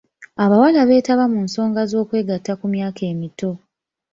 Abawala beetaba mu nsonga z'okwegatta ku myaka emito.